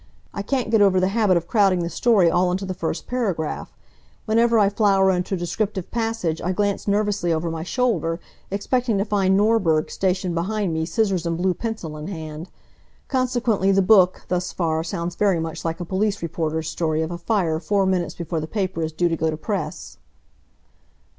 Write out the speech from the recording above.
I can't get over the habit of crowding the story all into the first paragraph. Whenever I flower into a descriptive passage I glance nervously over my shoulder, expecting to find Norberg stationed behind me, scissors and blue pencil in hand. Consequently the book, thus far, sounds very much like a police reporter's story of a fire four minutes before the paper is due to go to press."